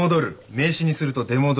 名詞にすると「出戻り」。